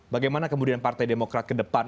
bagaimana kemudian partai demokrat ke depan